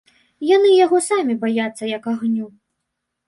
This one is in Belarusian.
Яны яго самі баяцца як агню!